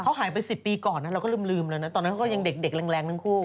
เขาหายไป๑๐ปีก่อนนะเราก็ลืมแล้วนะตอนนั้นเขาก็ยังเด็กแรงทั้งคู่